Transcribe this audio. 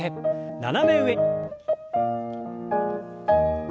斜め上に。